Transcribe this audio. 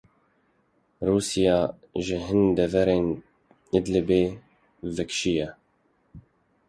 Rûsya ji hin deverên Idlibê vekişiya.